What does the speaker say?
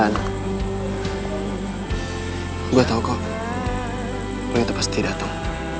lan gue tau kok lo itu pasti dateng